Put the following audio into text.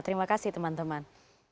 terima kasih teman teman